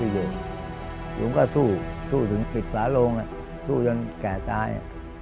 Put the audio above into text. ลุงก็สู้สู้ถึงปิดฝาโลงสู้จนแก่ตาย